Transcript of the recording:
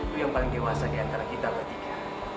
itu yang paling dewasa diantara kita bertiga